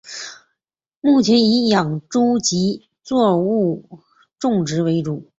目前以养猪及作物种植为主。